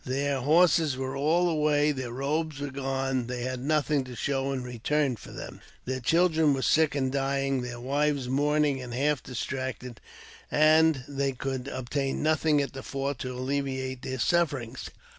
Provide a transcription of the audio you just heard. Their horses were all away, their robes^ were gone, and they had nothing to show in return for them. Their children were sick and dying, their wives mourning and half distracted, and they could obtain nothing at the fort to JAMES P. BECKWOUBTH. 37^ alleviate their sufferings.